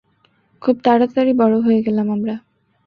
খুব তারাতাড়ি বড় হয়ে গেলাম আমরা!